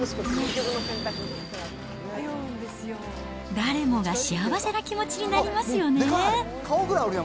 誰もが幸せな気持ちになりますよね。